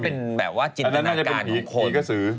ก็เป็นแบบว่าจินตนาการของคนแล้วน่าจะเป็นผีกะสือ